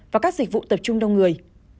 và các dịch vụ tập trung đông người